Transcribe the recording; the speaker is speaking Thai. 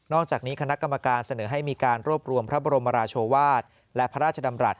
อกจากนี้คณะกรรมการเสนอให้มีการรวบรวมพระบรมราชวาสและพระราชดำรัฐ